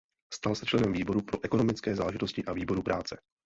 Stal se členem výboru pro ekonomické záležitosti a výboru práce.